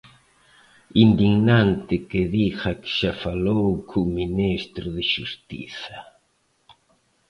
Indignante que diga que xa falou co ministro de Xustiza.